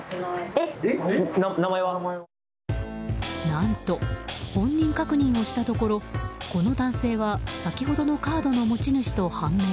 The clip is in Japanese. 何と、本人確認をしたところこの男性は先ほどのカードの持ち主と判明。